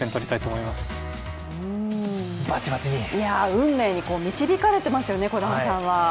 運命に導かれていますよね、児玉さんは。